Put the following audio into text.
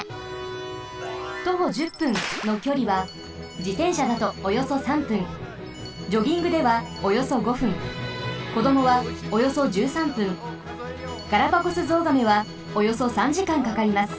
「徒歩１０分」のきょりはじてんしゃだとおよそ３分ジョギングではおよそ５分こどもはおよそ１３分ガラパゴスゾウガメはおよそ３時間かかります。